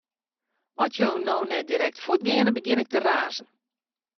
At jo no net direkt fuort geane, begjin ik te razen.